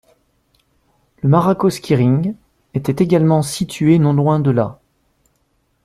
Le Majakowskiring était également situé non loin de là.